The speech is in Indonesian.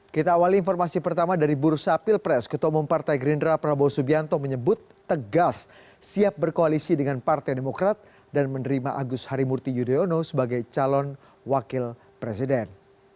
kita awali informasi pertama dari bursa pilpres ketua umum partai gerindra prabowo subianto menyebut tegas siap berkoalisi dengan partai demokrat dan menerima agus harimurti yudhoyono sebagai calon wakil presiden